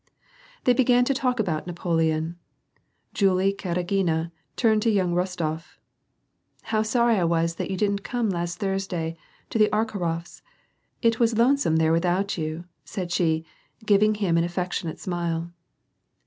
They began to talk about %^apoleon. Julie Karagina turned to young Rostof ,—" How sorry I was that you didn't come last Thursday to the Arkharofs. It was lonesome there without you," said she, giving him an affectionate smile.